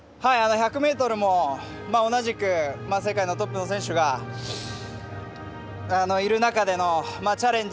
１００ｍも同じく世界のトップの選手がいる中でのチャレンジ。